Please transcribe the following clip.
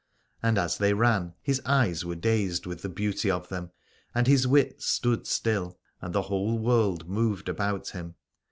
And as they ran his eyes were dazed with the beauty of them and his wits stood still and the whole world moved about him.